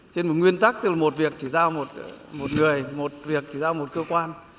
trên một nguyên tắc tức là một việc chỉ giao một người một việc chỉ giao một cơ quan